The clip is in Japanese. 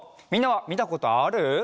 みんなはみたことある？